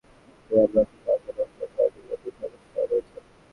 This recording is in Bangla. বাংলাদেশ দু-তিন দশক ধরে মিয়ানমার থেকে আসা রোহিঙ্গা শরণার্থীদের নিয়ে সমস্যায় রয়েছে।